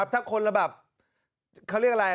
ถ้าคนละเขาเรียกอะไร